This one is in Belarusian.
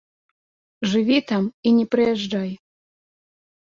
Жыві там і не прыязджай.